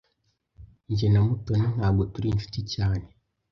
Jye na Mutoni ntabwo turi inshuti cyane.